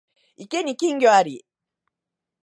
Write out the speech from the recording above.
池に金魚あり